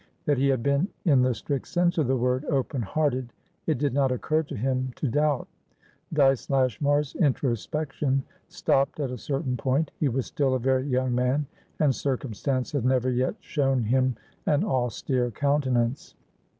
That he had been, in the strict sense of the word, open hearted, it did not occur to him to doubt. Dyce Lashmar's introspection stopped at a certain point. He was still a very young man, and circumstance had never yet shown him an austere countenance.